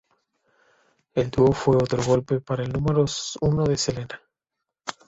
El dúo fue otro golpe para el número uno de Selena.